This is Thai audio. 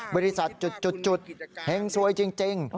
บริษัทจุดเฮงซวยจริง